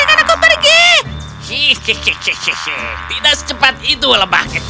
tidak secepat itu lebah kecil